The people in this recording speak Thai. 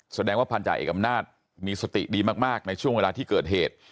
แสดงว่าพันธาเอกอำนาจมีสติดีมากในช่วงเวลาที่เกิดเหตุ